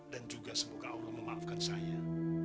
dan juga semoga allah memaafkan saya